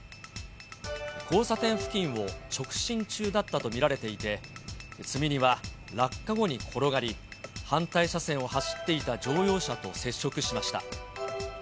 交差点付近を直進中だったと見られていて、積み荷は落下後に転がり、反対車線を走っていた乗用車と接触しました。